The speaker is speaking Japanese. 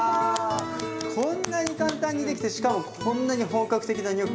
こんなに簡単にできてしかもこんなに本格的なニョッキ。